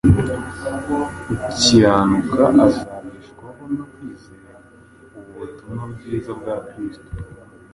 Ukiranuka azabeshwaho no kwizera.’ Ubu butumwa bwiza bwa Kristo,